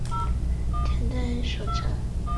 前队属正。